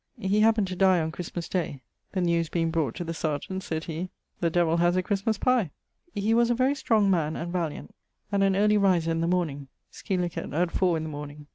He happened to dye on Christmas day: the newes being brought to the serjeant, said he 'The devill haz a Christmas pye.' He was a very strong man, and valiant, and an early riser in the morning (scil., at four in the morning).